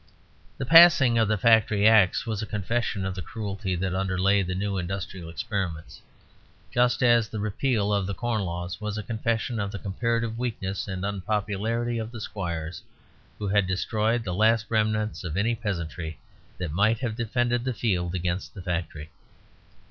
The passing of the Factory Acts was a confession of the cruelty that underlay the new industrial experiments, just as the Repeal of the Corn Laws was a confession of the comparative weakness and unpopularity of the squires, who had destroyed the last remnants of any peasantry that might have defended the field against the factory.